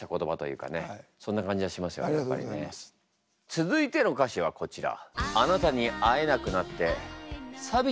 続いての歌詞はこちら。